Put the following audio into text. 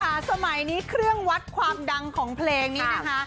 สมัยนี้เครื่องวัดความดังของเพลงนี้นะคะ